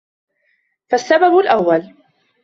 فَالسَّبَبُ الْأَوَّلُ